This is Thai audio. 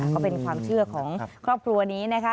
ก็เป็นความเชื่อของครอบครัวนี้นะคะ